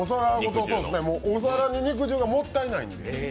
お皿に肉汁がもったいないので。